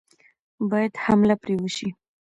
باید حمله پرې وشي.